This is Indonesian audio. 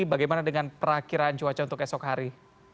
bagaimana dengan perakhiran cuaca untuk esok hari